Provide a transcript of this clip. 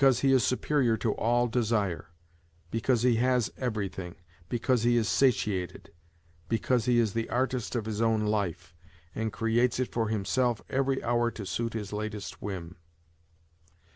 he is superior to all desire, use lie has every tiling, because he is satiated, U cause he is t of hia own life, and creates it for himself every hour to suit hia latest whim.